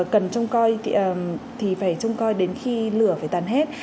cần trông coi thì phải trông coi đến khi lửa phải tàn hết